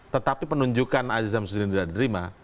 tetapi penunjukan aziz samsudin tidak diterima